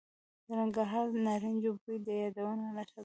د ننګرهار د نارنجو بوی د یادونو نښه ده.